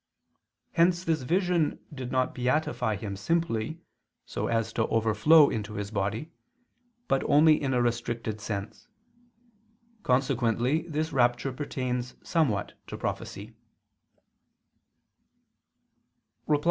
Hence this vision did not beatify him simply, so as to overflow into his body, but only in a restricted sense. Consequently this rapture pertains somewhat to prophecy.